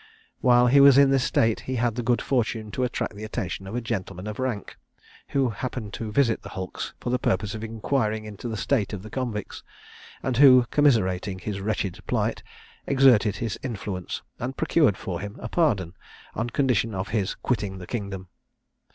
While he was in this state, he had the good fortune to attract the attention of a gentleman of rank, who happened to visit the hulks for the purpose of inquiring into the state of the convicts, and who, commiserating his wretched plight, exerted his influence and procured for him a pardon, on condition of his quitting the kingdom.